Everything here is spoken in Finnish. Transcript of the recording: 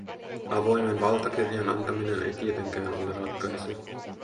Avoimen valtakirjan antaminen ei tietenkään ole ratkaisu.